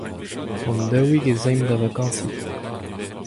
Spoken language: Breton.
Hon-daouik ez aimp da vakañsiñ.